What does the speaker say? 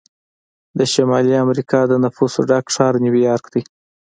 د شمالي امریکا د نفوسو ډک ښار نیویارک دی.